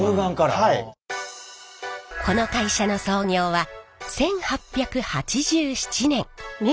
この会社の創業は１８８７年。